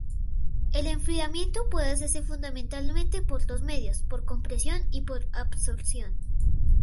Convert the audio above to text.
El enfriamiento puede hacerse fundamentalmente por dos medios: por compresión y por absorción.